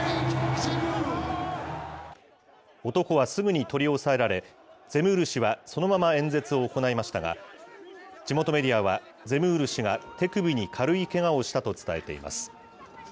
男はすぐに取り押さえられ、ゼムール氏はそのまま演説を行いましたが、地元メディアは、ゼムール氏が手首に軽いけがをしたと伝えています。